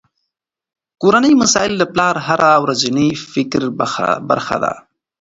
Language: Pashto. کورني مسایل د پلار د هره ورځني فکر برخه ده.